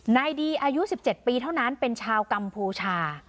ในดีอายุสิบเจ็ดปีเท่านั้นเป็นชาวกัมพูชา